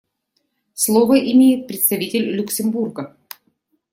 Слово имеет представитель Люксембурга.